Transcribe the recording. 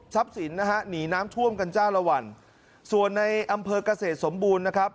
ซับศิลป์น้ำท่วมกันส่วนในอำเภอเกษตรศมบูรณ์นะครับ